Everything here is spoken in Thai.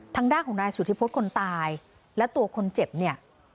ทางด้านของนายสุธิพฤษคนตายและตัวคนเจ็บเนี่ย